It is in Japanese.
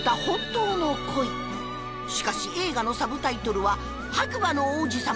しかし映画のサブタイトルは『白馬の王子様じゃないん怪』